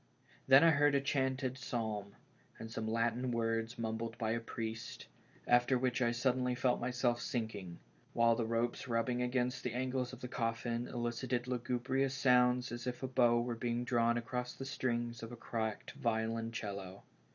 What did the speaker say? Then I heard a chanted psalm, and some Latin words mumbled by a priest, after which I suddenly felt myself sinking, while the ropes rubbing against the angles of the coffin elicited lugubrious sounds as if a bow were being drawn across the strings of a cracked violon cello.